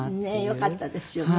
よかったですよね。